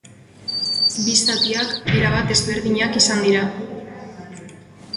Bi zatiak erabat ezberdinak izan dira.